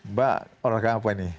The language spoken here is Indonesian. mbak olahraga apa ini